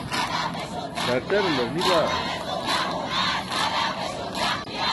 ḍaakṭarlar ni baa?